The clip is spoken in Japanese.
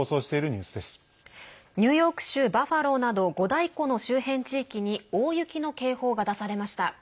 ニューヨーク州バファローなど五大湖の周辺地域に大雪の警報が出されました。